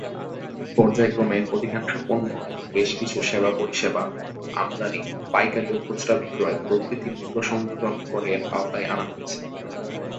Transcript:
পর্যায়ক্রমে অধিকাংশ পণ্য এবং বেশ কিছু সেবা-পরিষেবা, আমদানী, পাইকারী ও খুচরা বিক্রয় প্রভৃতি মূল্য সংযোজন করের আওতায় আনা হয়েছে।